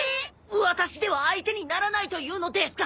ワタシでは相手にならないというのデスか！？